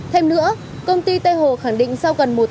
thêm nữa công ty t hồ khẳng định sau gần một tháng